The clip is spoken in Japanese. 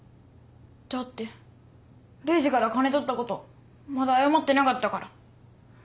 だってレジから金取ったことまだ謝ってなかったから。